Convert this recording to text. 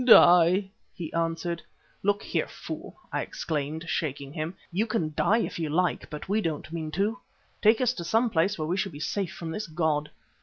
"Die," he answered. "Look here, fool," I exclaimed, shaking him, "you can die if you like, but we don't mean to. Take us to some place where we shall be safe from this god."